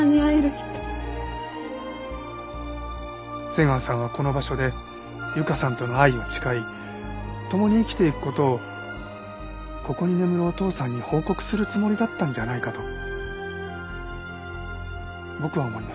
瀬川さんはこの場所で優香さんとの愛を誓い共に生きていく事をここに眠るお父さんに報告するつもりだったんじゃないかと僕は思います。